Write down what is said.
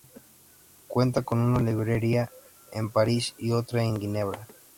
Cuenta con una librería en París y otra en Ginebra.